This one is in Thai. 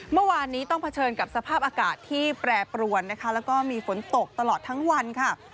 เมื่อวานนี้ต้องเผชิญกับสภาพอากาศที่แปรปรวนนะคะแล้วก็มีฝนตกตลอดทั้งวันค่ะ